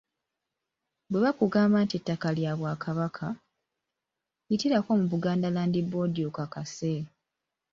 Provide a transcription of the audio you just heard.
Bwe bakugamba nti ettaka lya Bwakabaka, yitirako mu Buganda Land Board okakase.